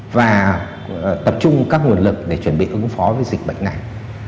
và tập trung các nguồn lực để chuẩn bị ứng phó với dịch bệnh này